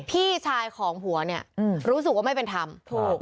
พี่ชายของผัวเนี่ยรู้สึกว่าไม่เป็นธรรมถูก